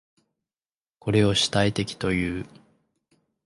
これを主体的という。